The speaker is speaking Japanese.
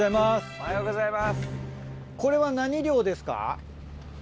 おはようございます。